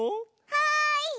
はい！